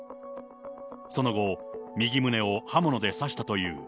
その後、右胸を刃物で刺したという。